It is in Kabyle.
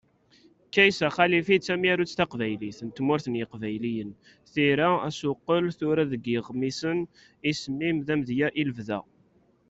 Kaysa Xalifi d tamyarut taqbaylit, n tmurt n yiqbayliyen, tira, asuqqel, tura deg yeɣmisen. Isem-im d amedya i lebda.